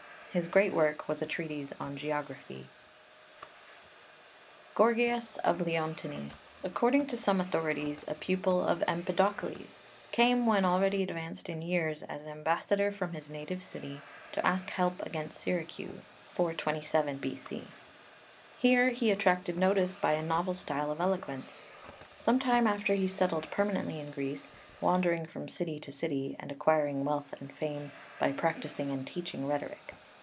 His great work was a treatise on geography (Lübker). GORGIAS of Leontini, according to some authorities a pupil of Empedokles, came, when already advanced in years, as ambassador from his native city to ask help against Syracuse (427 B.C.) Here he attracted notice by a novel style of eloquence. Some time after he settled permanently in Greece, wandering from city to city, and acquiring wealth and fame by practising and teaching rhetoric.